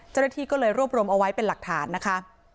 เจรฐีก็เลยรวบรวมเอาไว้เป็นหลักฐานนะคะ